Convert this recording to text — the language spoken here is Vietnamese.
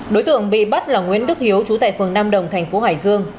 đối tượng bị bắt là nguyễn đức hiếu trú tại phường nam đồng thành phố hải dương